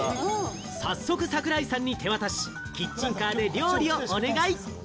早速、櫻井さんに手渡し、キッチンカーで料理をお願い。